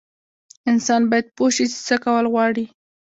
انسان باید پوه شي چې څه کول غواړي.